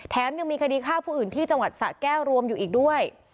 ยังมีคดีฆ่าผู้อื่นที่จังหวัดสะแก้วรวมอยู่อีกด้วย